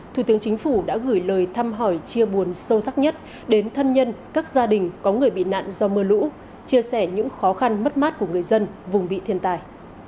thủ tướng chính phủ đã gửi lời thăm hỏi chia buồn sâu sắc nhất đến thân nhân các gia đình có người bị nạn do mưa lũ chia sẻ những khó khăn mất mát của người dân vùng bị thiên tài